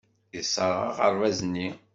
Yesserɣ aɣerbaz-nni.